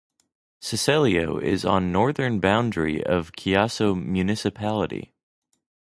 Seseglio is on northern boundary of Chiasso municipality.